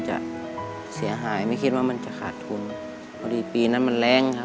ก็เสียใจค่ะอยากจะขอโทษลูกได้ใจจริงค่ะ